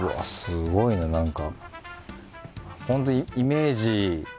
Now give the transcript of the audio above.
すごいな何か。